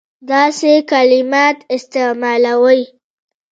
داسي کلمات استعمالوي.